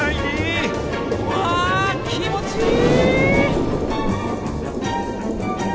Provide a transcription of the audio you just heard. わあ気持ちいい！